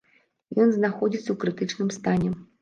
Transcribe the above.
Ён знаходзіцца ў крытычным стане.